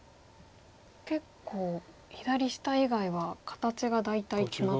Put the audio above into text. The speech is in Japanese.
結構左下以外は形が大体決まっていて。